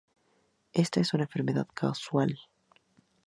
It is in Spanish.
Esta es una enfermedad casual.